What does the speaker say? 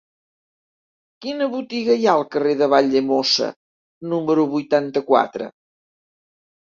Quina botiga hi ha al carrer de Valldemossa número vuitanta-quatre?